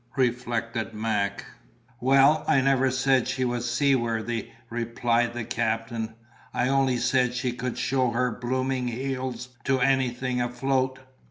reflected Mac. "Well, I never said she was seaworthy," replied the captain: "I only said she could show her blooming heels to anything afloat.